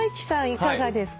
いかがですか？